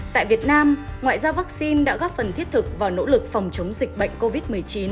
tại việt nam ngoại giao vaccine đã góp phần thiết thực vào nỗ lực phòng chống dịch bệnh covid một mươi chín